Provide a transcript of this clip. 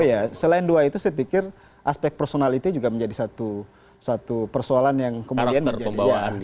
ya selain dua itu saya pikir aspek personality juga menjadi satu persoalan yang kemudian menjadi